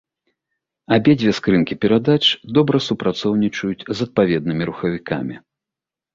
Абедзве скрынкі перадач добра супрацоўнічаюць з адпаведнымі рухавікамі.